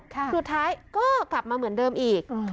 สุดท้ายก็กลับมาเหมือนเดิมอีก